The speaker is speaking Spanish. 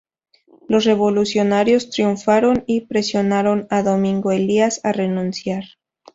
Los revolucionarios triunfaron y presionaron a Domingo Elías a renunciar.